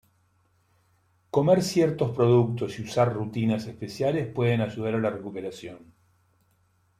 Comer ciertos productos y usar rutinas especiales puede ayudar a la recuperación.